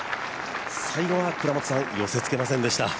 最後は寄せつけませんでした。